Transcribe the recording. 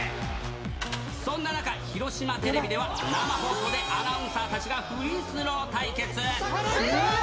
そんな中、広島テレビでは、生放送でアナウンサーたちがフリースロー対決。